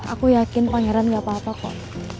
aku yakin pangeran gak apa apa kok